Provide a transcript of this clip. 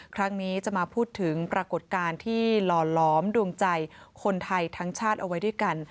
ครั้งนี้จะมาพูดถึงปรากฏการณ์ที่หล่อล้อมดวงใจคนไทยทั้งชาติเอาไว้ด้วยกัน